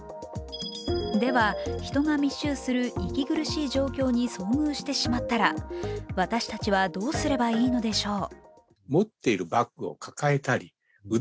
では、人が密集する息苦しい状況に遭遇してしまったら私たちはどうすればいいのでしょう？